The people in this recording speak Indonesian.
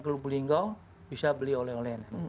kalau beli enggau bisa beli oleh oleh